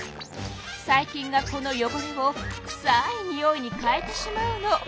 細菌がこのよごれをくさいにおいに変えてしまうの。